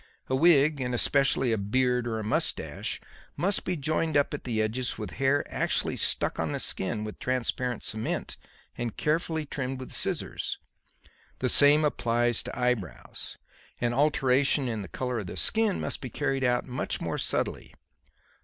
A wig, and especially a beard or moustache, must be joined up at the edges with hair actually stuck on the skin with transparent cement and carefully trimmed with scissors. The same applies to eyebrows; and alterations in the colour of the skin must be carried out much more subtly.